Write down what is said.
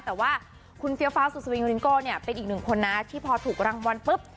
แต่ว่าคุณเฟี้ยวฟ้าสุดสวิงวริงโก้เนี่ยเป็นอีกหนึ่งคนนะที่พอถูกรางวัลปุ๊บ